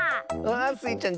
スイちゃん